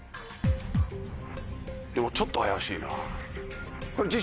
でもちょっと怪しいな。